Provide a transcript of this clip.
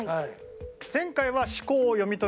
前回は思考を読み取る